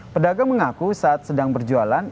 pedagang mengaku saat sedang berjualan